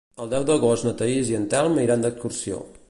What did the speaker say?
El deu d'agost na Thaís i en Telm iran d'excursió.